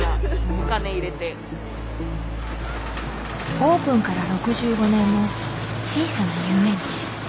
オープンから６５年の小さな遊園地。